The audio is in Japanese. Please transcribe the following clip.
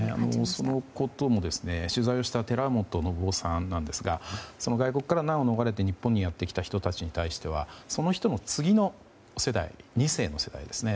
そのことも取材をした寺本信生さんですが外国から難を逃れて日本にやってきた人たちに対してはその人の次の世代２世の世代ですね